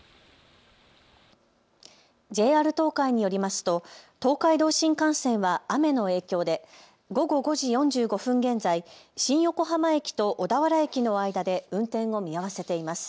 ＪＲ東海によりますと東海道新幹線は雨の影響で午後５時４５分現在、新横浜駅と小田原駅の間で運転を見合わせています。